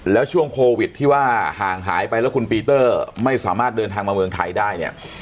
แล้วช่วงโควิดที่ว่าห่างหายไปแล้วคุณปีเตอร์ไม่สามารถเดินทางมาเมืองไทยได้เนี่ย